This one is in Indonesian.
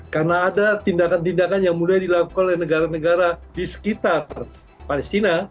karena ada tindakan tindakan yang mulai dilakukan oleh negara negara di sekitar palestina